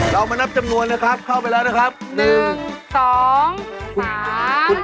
เรามานับจำนวนนะครับเข้าไปแล้วนะครับ